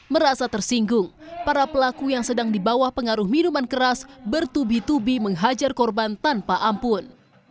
merasa tersinggung para pelaku yang sedang di bawah pengaruh minuman keras bertubi tubi menghajar korban tanpa ampun